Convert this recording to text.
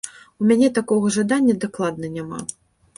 У мяне такога жадання дакладна няма!